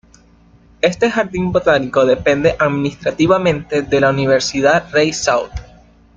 Este jardín botánico depende administrativamente de la Universidad Rey Saud.